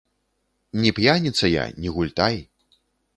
Ні п'яніца я, ні гультай.